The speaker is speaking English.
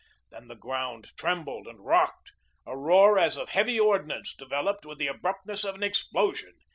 Then the ground trembled and rocked; a roar as of heavy ordnance developed with the abruptness of an explosion.